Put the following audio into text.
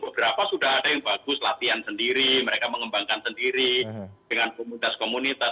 beberapa sudah ada yang bagus latihan sendiri mereka mengembangkan sendiri dengan komunitas komunitas